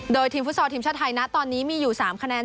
โดยทีมฟุตซอลทีมชาติไทยนะตอนนี้มีอยู่๓คะแนน